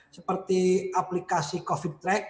seperti aplikasi covid track